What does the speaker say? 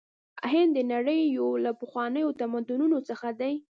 هند د نړۍ یو له پخوانیو تمدنونو څخه دی.